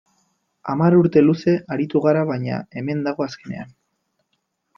Hamar urte luze aritu g ara, baina hemen dago azkenean.